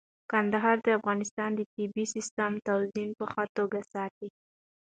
کندهار د افغانستان د طبیعي سیسټم توازن په ښه توګه ساتي.